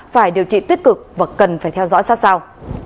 phải điều trị tích cực và cần phải theo dõi sát sao